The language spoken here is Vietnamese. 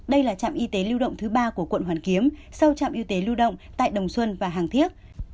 đây là trạm y tế lưu động thứ ba của quận hoàn kiếm sau trạm y tế lưu động tại đồng xuân và hàng thiết